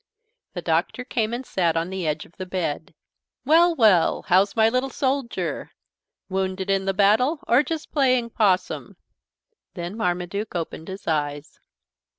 The Doctor came and sat on the edge of the bed. "Well, well! How's my little soldier? Wounded in the battle or just playing possum?" Then Marmaduke opened his eyes.